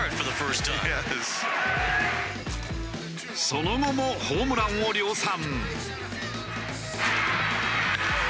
その後もホームランを量産。